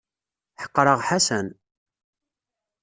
Ḥeqreɣ Ḥasan.